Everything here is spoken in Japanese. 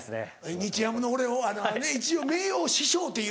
日ハムの俺一応名誉師匠っていう。